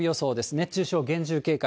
熱中症厳重警戒。